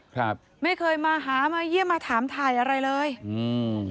ครับไม่เคยมาหามาเยี่ยมมาถามถ่ายอะไรเลยอืม